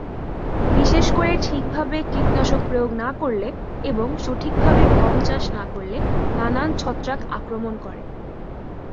বিশেষ করে ঠিকভাবে কীটনাশক প্রয়োগ না করলে এবং সঠিকভাবে গম চাষ না করলে নানান ছত্রাক আক্রমণ করে।